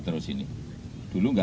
terus ini juga